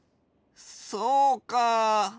そうか。